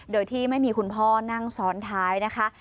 โดยที่ไม่มีคุณพ่อนั่งซ้อนท้ายนะคะ